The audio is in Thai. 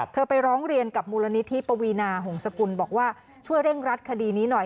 ไปร้องเรียนกับมูลนิธิปวีนาหงษกุลบอกว่าช่วยเร่งรัดคดีนี้หน่อย